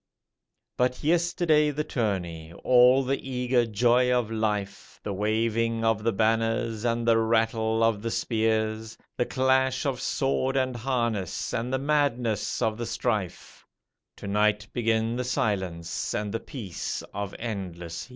"_ But yesterday the tourney, all the eager joy of life, The waving of the banners, and the rattle of the spears, The clash of sword and harness, and the madness of the strife; To night begin the silence and the peace of endless years.